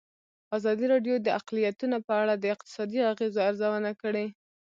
ازادي راډیو د اقلیتونه په اړه د اقتصادي اغېزو ارزونه کړې.